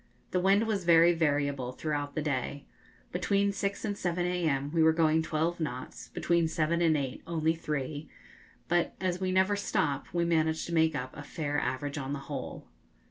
The wind was very variable throughout the day. Between 6 and 7 a.m. we were going twelve knots; between 7 and 8 only three; but as we never stop, we manage to make up a fair average on the whole.